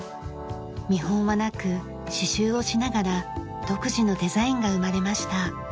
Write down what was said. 見本はなく刺繍をしながら独自のデザインが生まれました。